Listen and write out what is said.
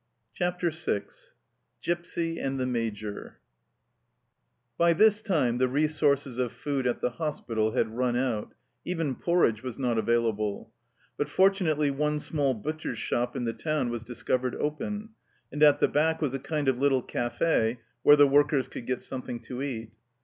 CHAPTER VI GIPSY AND THE MAJOR BY this time the resources of food at the hospital had run out even porridge was not available but fortunately one small butcher's shop in the town was discovered open, and at the back was a kind of little cafe where the workers could get something to eat.